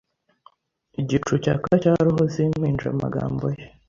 Igicu cyaka cya roho zimpinja amagambo ye